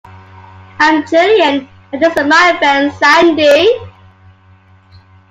I'm Julian and this is my friend Sandy!